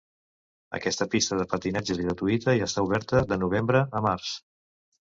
Aquesta pista de patinatge és gratuïta i està oberta de novembre a març.